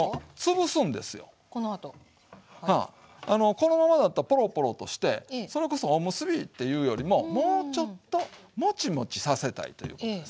このままだとポロポロとしてそれこそおむすびっていうよりももうちょっとモチモチさせたいということですわ。